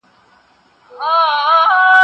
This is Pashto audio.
ستا د شرابي شونډو زکات زما په زړه کي دی